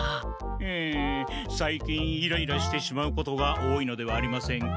ふむさいきんイライラしてしまうことが多いのではありませんか？